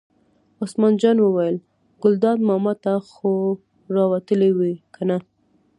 عثمان جان وویل: ګلداد ماما ته خو را وتلې وې کنه.